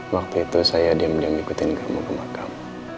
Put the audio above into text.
waktu itu saya diam diam ngikutin kamu ke makam